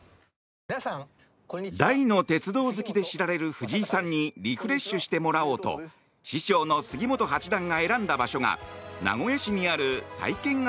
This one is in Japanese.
大の鉄道好きで知られる藤井さんにリフレッシュしてもらおうと師匠の杉本八段が選んだ場所が名古屋市にある体験型